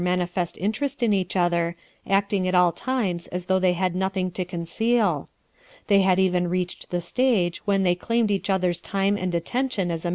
manifest interest in each other, acting a t times as though they had nothing to cone * They had even reached the stage when n claimed each other's time and attention a.